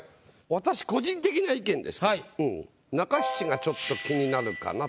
私個人的な意見ですけど中七がちょっと気になるかなと。